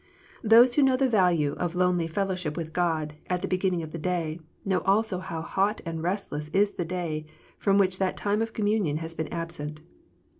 Those who know the value of lonely fellowship with God, at the beginning of the day, know also ; how hot and restless is the day from which that j time of communion has been absent.